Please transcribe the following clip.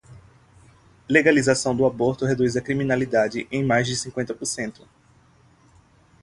Legalização do aborto reduz a criminalidade em mais de cinquenta por cento